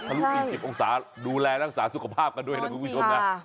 ฝนหลาด๑๐องศาดูแลรักษาสุขภาพกันด้วยนะครับคุณผู้ชม